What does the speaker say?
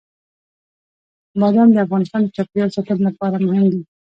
بادام د افغانستان د چاپیریال ساتنې لپاره مهم دي.